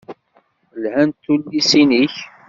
Lhant tullisin-ik.